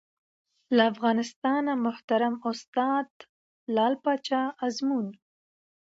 له افغانستانه محترم استاد لعل پاچا ازمون